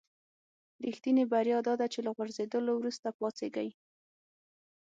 رښتینې بریا داده چې له غورځېدلو وروسته پاڅېږئ.